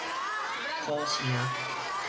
柯城